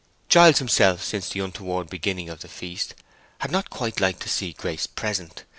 Giles himself, since the untoward beginning of the feast, had not quite liked to see Grace present.